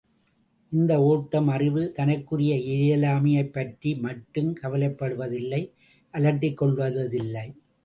இந்த ஒட்பம் அறிவு தனக்குரிய இயலாமையைப் பற்றி மட்டும் கவலைப்படுவதில்லை அலட்டிக் கொள்வதில்லை.